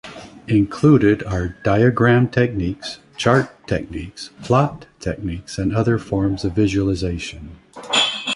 Included are diagram techniques, chart techniques, plot techniques, and other forms of visualization.